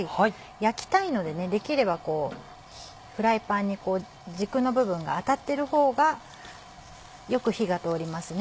焼きたいのでできればフライパンに軸の部分が当たってる方がよく火が通りますね。